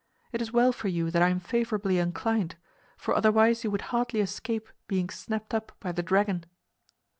It is well for you that I am favorably inclined, for otherwise you would hardly escape being snapped up by the dragon."